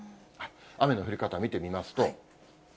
雨の降り方見てみますと。